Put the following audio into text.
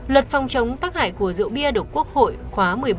luật phòng chống tác hại của rượu bia được quốc hội khóa một mươi bốn